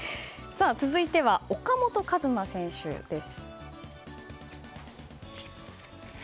続いては岡本和真選手です。